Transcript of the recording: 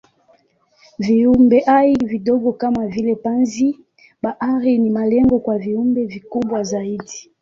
Viumbehai vidogo kama vile panzi-bahari ni malengo kwa viumbe vikubwa zaidi.